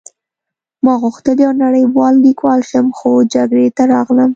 ما غوښتل یو نړۍوال لیکوال شم خو جګړې ته راغلم